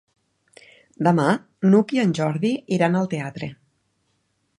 Demà n'Hug i en Jordi iran al teatre.